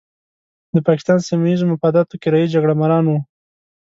د پاکستان سیمه ییزو مفاداتو کرایي جګړه ماران وو.